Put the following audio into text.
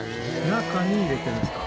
中に入れてるんですか。